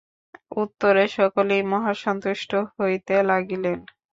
উত্তরে সকলেই মহা সন্তুষ্ট হইতে লাগিলেন।